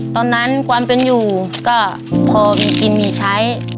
ตอนนั้นความเป็นอยู่ก็พอมีกินมีใช้